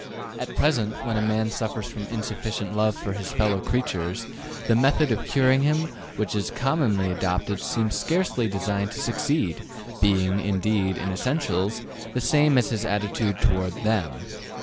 At present, when a man suffers from insufficient love for his fellow creatures, the method of curing him which is commonly adopted seems scarcely designed to succeed, being, indeed, in essentials, the same as his attitude toward them.